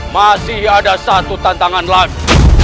masih ada satu tantangan lagi